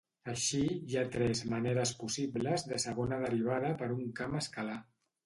Així, hi ha tres maneres possibles de segona derivada per un camp escalar.